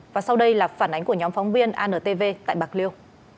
và sau đây là phản ánh của nhóm phóng viên antv tại bạc liêu